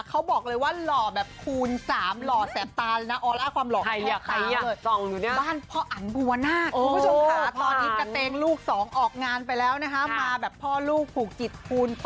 คุณผู้ชมขาเขาบอกเลยว่าหล่อแบบคูณ๓